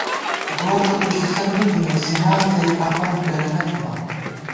گور تہ کھُشِسن می تھنی، سِنان ݪِیَئی کھپَن پېلَنہ تھنہ